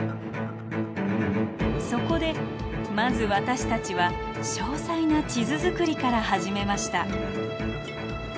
そこでまず私たちは詳細な地図作りから始めました。